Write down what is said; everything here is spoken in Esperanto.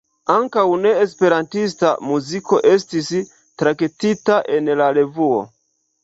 Ankaŭ ne-esperantista muziko estis traktita en la revuo.